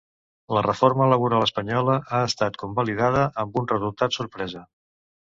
La reforma laboral espanyola ha estat convalidada amb un resultat sorpresa.